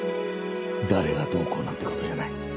誰がどうこうなんて事じゃない。